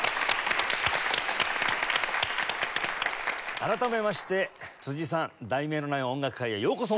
改めまして辻井さん『題名のない音楽会』へようこそ！